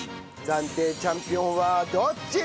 暫定チャンピオンはどっち！？